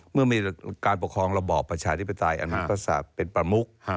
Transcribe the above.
เมื่อมีการปกครองระบอบประชาธิปไตยอันนั้นก็เป็นประมุก